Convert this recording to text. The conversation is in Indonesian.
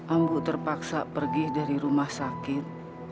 ambu terpaksa pergi dari rumah sakit